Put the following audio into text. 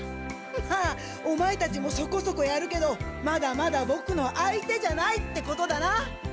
まあオマエたちもそこそこやるけどまだまだボクの相手じゃないってことだな。